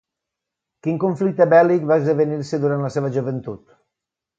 Quin conflicte bèl·lic va esdevenir-se durant la seva joventut?